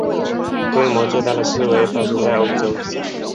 规模最大的示威发生在欧洲。